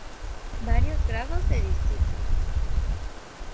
Varios grados de discípulos.